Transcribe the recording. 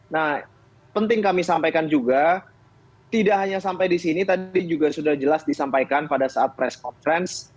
nah penting kami sampaikan juga tidak hanya sampai di sini tadi juga sudah jelas disampaikan pada saat press conference